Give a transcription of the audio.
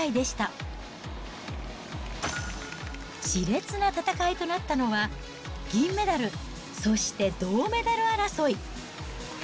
しれつな戦いとなったのは、銀メダル、そして銅メダル争い。